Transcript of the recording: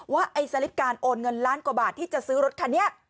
ไอ้สลิปการโอนเงินล้านกว่าบาทที่จะซื้อรถคันนี้